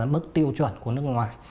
mức tiêu chuẩn của nước ngoài